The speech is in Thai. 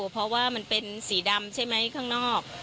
เพราะว่ามันเป็นสีดำใช่ไหมข้างนอก